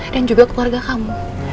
dan juga keluarga kamu